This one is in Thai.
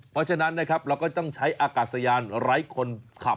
เพราะฉะนั้นนะครับเราก็ต้องใช้อากาศยานไร้คนขับ